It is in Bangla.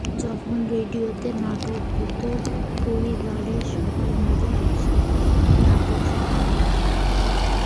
যখন রেডিওতে নাটক হতো, পরিবারের সবাই মিলে একসাথে সে নাটক শোনা হতো।